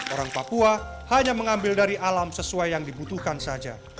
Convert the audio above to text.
orang papua hanya mengambil dari alam sesuai yang dibutuhkan saja